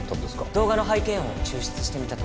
動画の背景音を抽出してみたところ。